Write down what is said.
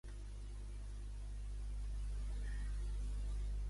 Ara ha quedat demostrat que el que ells deia no era cert.